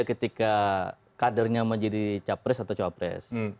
ketika kadernya menjadi capres atau cawapres